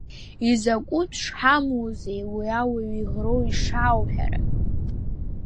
Изакәытә шҳамузеи уи ауаҩ иӷроу ишаауҳәара?